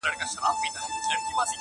• تېرومه ژوند د دې ماښام په تمه,